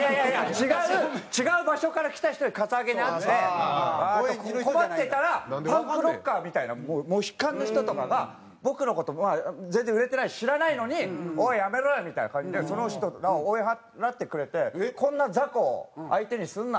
違う違う場所から来た人にカツアゲにあって困ってたらパンクロッカーみたいなモヒカンの人とかが僕の事全然売れてないし知らないのに「おいやめろよ！」みたいな感じでその人らを追い払ってくれて「こんな雑魚を相手にすんな！